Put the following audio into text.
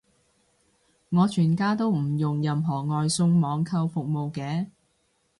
我全家都唔用任何外送網購服務嘅